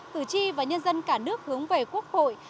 cử tri và nhân dân cả nước hướng về quốc hội